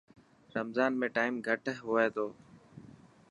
رمضان ۾ ٽائم گهٽ هئي تو.